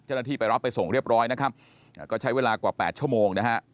ไปรับไปส่งเรียบร้อยนะครับก็ใช้เวลากว่า๘ชั่วโมงนะฮะ